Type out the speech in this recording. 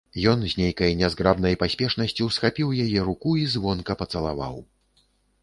Ён з нейкай нязграбнай паспешнасцю схапіў яе руку і звонка пацалаваў.